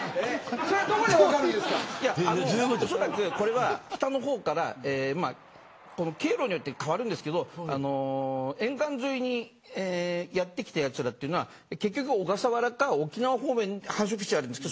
おそらく、これは北の方から経路によって変わるんですけど沿岸沿いにやって来たやつらというのは小笠原か沖縄方面に繁殖地があるんですけど